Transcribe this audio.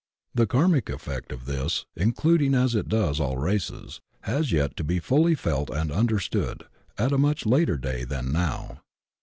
The karmic effect of this, including as it does all races, has yet to be fully felt and understood — at a much later day than now.